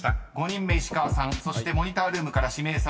［５人目石川さんそしてモニタールームから指名される